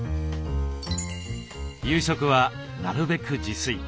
夕食はなるべく自炊。